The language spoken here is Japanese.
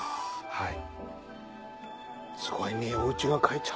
はい。